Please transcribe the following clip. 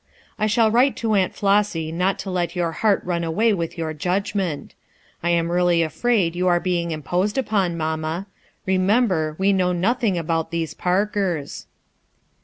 I shall write to Aunt Flossy not to let your heart ran away with your judgment, I am really afraid you are being imposed upon, mamma. Remember, we know nothing about these Parkers."